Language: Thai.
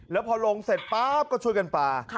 แล้วพอลงเสร็จป๊าบก็ช่วยกันปลา